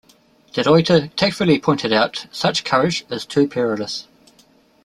De Ruyter tactfully pointed out: "Such courage is too perilous".